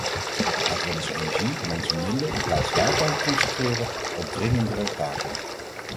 Laten wij onze energie en onze middelen in plaats daarvan concentreren op dringendere taken.